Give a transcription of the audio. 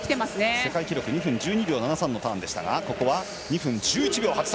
世界記録２分１２秒７３のターンでしたがここは２分１１秒８３。